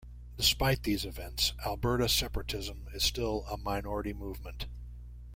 Despite these events, Alberta separatism is still a minority movement.